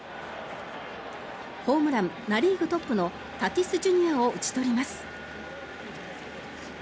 ホームランナ・リーグトップのタティスＪｒ．を打ち取ります。